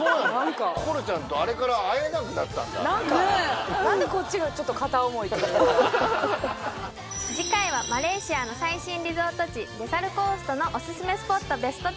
こころちゃんとあれから会えなくなったんだ何でこっちがちょっと片思いというか次回はマレーシアの最新リゾート地デサルコーストのおすすめスポット